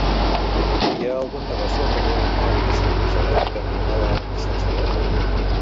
Hi ha algun negoci al carrer Arc de Sant Sever cantonada Arc de Sant Sever?